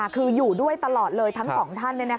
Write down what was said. คืออยู่ด้วยตลอดเลยทั้งสองท่าน